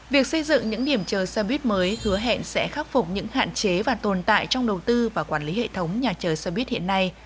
việc xây dựng những điểm chờ xe buýt mới hứa hẹn sẽ khắc phục những hạn chế và tồn tại trong đầu tư và quản lý hệ thống nhà chờ xe buýt hiện nay